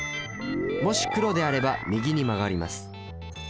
もし黒であれば右に曲がります。